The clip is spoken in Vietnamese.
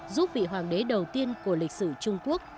giúp vị hoàng đế đầu tiên của lịch sử trung quốc